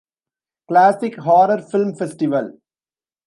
Classic Horror Film Festival.